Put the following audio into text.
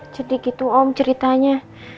jadi gitu om ceritanya